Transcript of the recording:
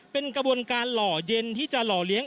เป็นกระบวนการหล่อเย็นที่จะหล่อเลี้ยง